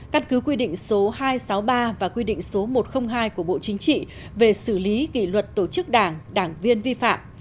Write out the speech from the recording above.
căn cứ quy định số hai trăm sáu mươi ba và quy định số một trăm linh hai của bộ chính trị về xử lý kỷ luật tổ chức đảng đảng viên vi phạm